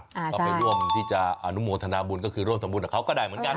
ก็ไปร่วมที่จะอนุโมทนาบุญก็คือร่วมทำบุญกับเขาก็ได้เหมือนกัน